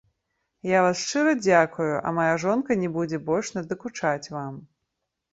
Я вас шчыра дзякую, а мая жонка не будзе больш надакучаць вам.